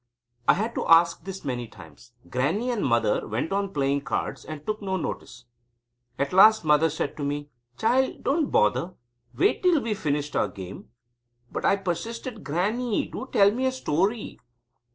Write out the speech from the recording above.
I had to ask this many times. Grannie and Mother went on playing cards, and took no notice. At last Mother said to me: "Child, don't bother. Wait till we've finished our game." But I persisted: "Grannie, do tell me a story."